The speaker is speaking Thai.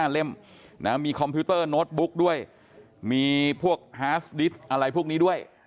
เล่มมีคอมพิวเตอร์โน้ตบุ๊กด้วยมีพวกฮาสดิสอะไรพวกนี้ด้วย